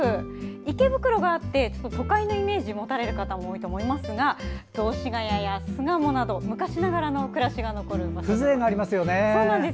池袋があって都会のイメージ持たれる方も多いと思いますが雑司が谷や巣鴨など昔ながらの暮らしが残る場所なんです。